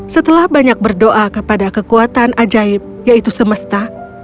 setelah banyak berdoa kepada kekuatan ajaib yaitu semesta